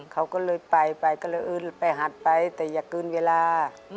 เขาก็เลยไปไปก็เลยเออไปหัดไปแต่อย่าเกินเวลา